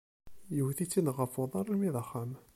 Yewwet-itt-id ɣef uḍar almi d axxam.